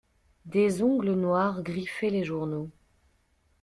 Des ongles noirs griffaient les journaux.